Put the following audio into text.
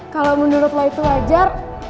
kalo menurut lo itu wajar